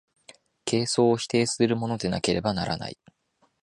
形相を否定するものでなければならない。